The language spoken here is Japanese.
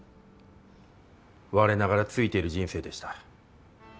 我ながらついてる人生でした。